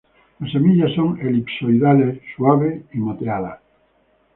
Las semillas son elipsoidales suave y moteado.